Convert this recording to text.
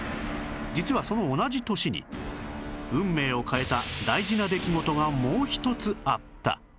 実はその同じ年に運命を変えた大事な出来事がもう一つあった